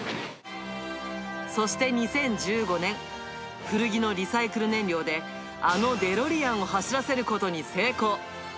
そして２０１５年、古着のリサイクル燃料で、あのデロリアンを走らせることに成功。